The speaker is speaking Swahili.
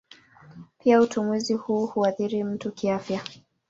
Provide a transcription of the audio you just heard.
Pia utumizi huu huathiri mtu kiafya.